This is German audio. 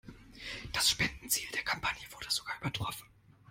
Das Spendenziel der Kampagne wurde sogar übertroffen.